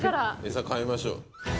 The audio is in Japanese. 餌変えましょう。